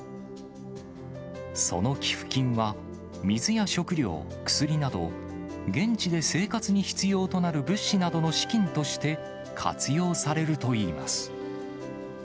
その寄付金は、水や食料、薬など、現地で生活に必要となる物資などの資金として活用されるといいます。